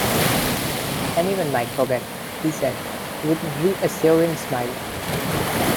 "Any one might forget," he said, with a reassuring smile.